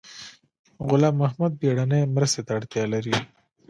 غلام محد بیړنۍ مرستې ته اړتیا لري